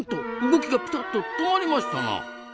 動きがピタッと止まりましたな！